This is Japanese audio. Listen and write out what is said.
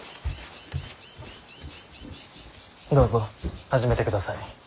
どうぞ始めてください。